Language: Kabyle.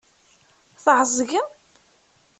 Tɛeẓgem?